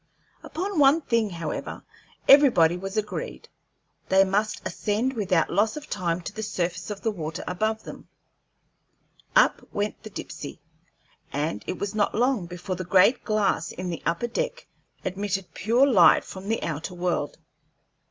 Upon one thing, however, everybody was agreed: they must ascend without loss of time to the surface of the water above them. Up went the Dipsey, and it was not long before the great glass in the upper deck admitted pure light from the outer world.